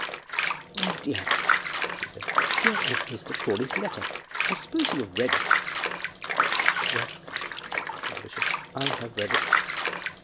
"My dear," she said, "here is Mr. Crawley's letter. I suppose you have read it?" "Yes," said the bishop; "I have read it."